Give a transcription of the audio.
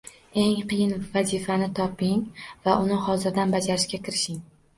Eng qiyin vazifangizni toping va uni hozirdan bajarishga kirishing